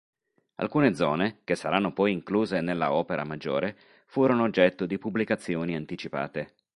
Alcune zone, che saranno poi incluse nella opera maggiore, furono oggetto di pubblicazioni anticipate.